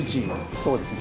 そうですね